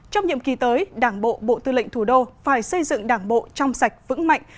trong nhiệm kỳ tới đảng bộ bộ tư lệnh thủ đô phải xây dựng đảng bộ trong sạch vững mạnh